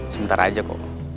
sebentar aja kok